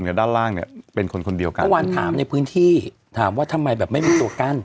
ด้านล่างเนี่ยเป็นคนคนเดียวกันเมื่อวานถามในพื้นที่ถามว่าทำไมแบบไม่มีตัวกั้น